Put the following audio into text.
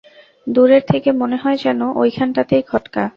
দূরের থেকে মনে হয় যেন ঐখানটাতেই খটকা।